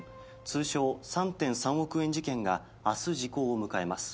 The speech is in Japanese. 通称３．３億円事件が明日時効を迎えます」